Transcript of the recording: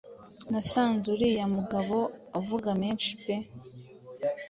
Nasanze uriya mugabo avuga menshi pe.